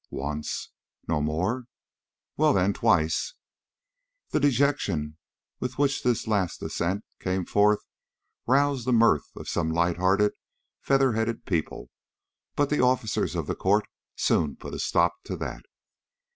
"Once." "No more?" "Well, then, twice." The dejection with which this last assent came forth roused the mirth of some light hearted, feather headed people, but the officers of the court soon put a stop to that.